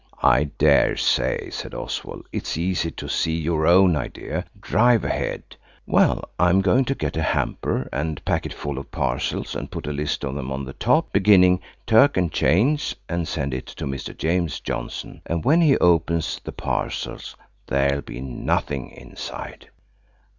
"I daresay," said Oswald; "it's easy to see your own idea. Drive ahead." "Well, I'm going to get a hamper and pack it full of parcels and put a list of them on the top–beginning Turk and chains, and send it to Mister James Johnson, and when he opens the parcels there'll be nothing inside."